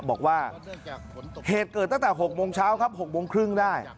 บอกว่าเหตุเกิดตั้งแต่๖โมงเช้าครับ๖โมงครึ่งได้